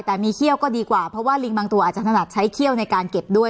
แต่มีเขี้ยวก็ดีกว่าเพราะว่าลิงบางตัวอาจจะถนัดใช้เขี้ยวในการเก็บด้วย